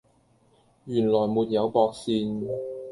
原來沒有駁線